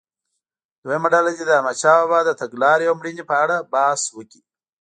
دویمه ډله دې د احمدشاه بابا د تګلارې او مړینې په اړه بحث وکړي.